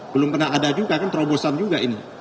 belum pernah ada juga kan terobosan juga ini